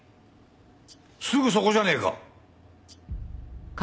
すぐそこじゃねえか。